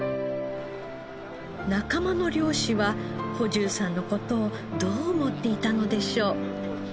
仲間の漁師は保重さんの事をどう思っていたのでしょう？